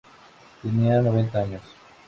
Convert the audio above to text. Tenía noventa años.